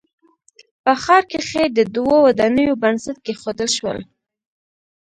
په ښار کښې د دوو ودانیو بنسټ کېښودل شو